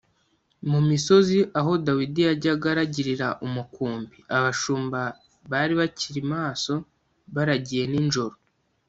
Mu misozi aho Dawidi yajyaga aragirira umukumbi, abashumba bari bakiri maso baragiye ninjoro